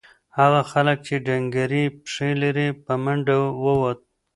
هغه هلک چې ډنگرې پښې لري په منډه ووت.